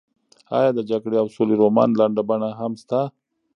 ایا د جګړې او سولې رومان لنډه بڼه هم شته؟